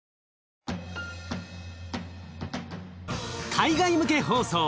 海外向け放送